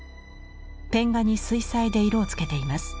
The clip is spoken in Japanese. ペン画に水彩で色をつけています。